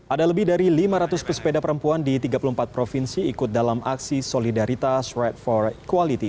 ada lebih dari lima ratus pesepeda perempuan di tiga puluh empat provinsi ikut dalam aksi solidaritas right for quality